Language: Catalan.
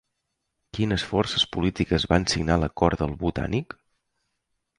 Quines forces polítiques van signar l'acord del Botànic?